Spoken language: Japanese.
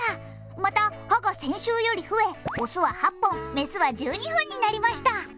また歯が先週より増え、推すは８本雌は１２本になりました。